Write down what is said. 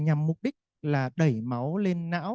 nhằm mục đích là đẩy máu lên não